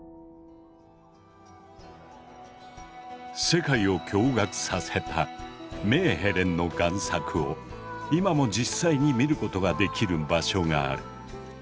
世界を驚がくさせたメーヘレンの贋作を今も実際に見ることができる場所がある。